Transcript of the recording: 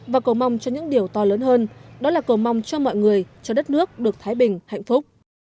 và cầu mong cho những điều to lớn hơn đó là cầu mong cho mọi người cho đất nước được thái bình hạnh phúc